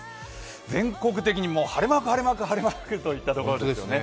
全国的にも晴れマーク、晴れマーク晴れマークといったところですよね。